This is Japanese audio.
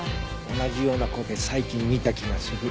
同じような光景最近見た気がする。